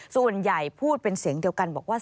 ส่วนใหญ่พูดเป็นเสียงเดียวกันบอกว่า